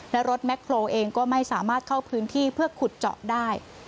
และรถแคลเองก็ไม่สามารถเข้าพื้นที่เพื่อขุดเจาะได้